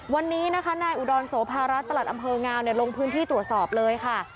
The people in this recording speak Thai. วันนี้นะคะนายอุดรโสภารัฐประหลัดอำเภองาวลงพื้นที่ตรวจสอบเลยค่ะ